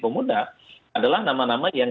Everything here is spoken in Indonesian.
pemuda adalah nama nama yang